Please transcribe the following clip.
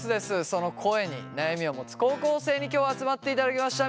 その声に悩みを持つ高校生に今日は集まっていただきました。